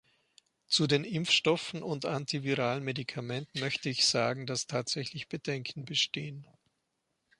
Zu den Impfstoffen und antiviralen Medikamenten möchte ich sagen, dass tatsächlich Bedenken bestehen.